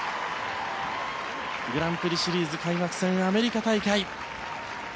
グランプリシリーズ開幕戦アメリカ大会。